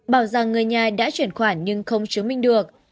bảo rằng người nhà đã chuyển khoản nhưng không chứng minh được